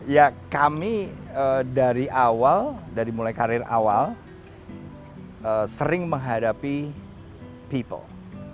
ya kami dari awal dari mulai karir awal sering menghadapi people